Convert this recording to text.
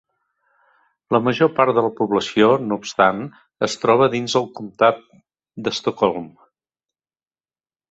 La major part de la població, no obstant, es troba dins el comtat de Stockholm.